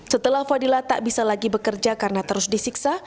setelah fadila tak bisa lagi bekerja karena terus disiksa